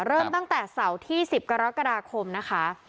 เริ่มตั้งแต่เสาร์ที่๑๐กรกฎาคมนะคะ